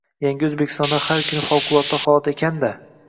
Yangi Oʻzbekistonda har kuni favqulodda holat ekanda?